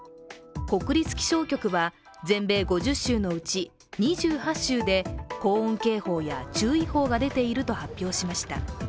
国立気象局は全米５０州のうち２８州で高温警報や注意報が出ていると発表しました。